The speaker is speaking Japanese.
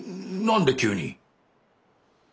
何で急に！？